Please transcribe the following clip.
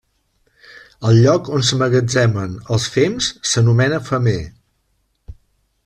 El lloc on s'emmagatzemen els fems s'anomena femer.